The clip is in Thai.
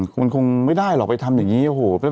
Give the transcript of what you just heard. มันคงไม่ได้หรอกไปทำอย่างนี้โอ้โห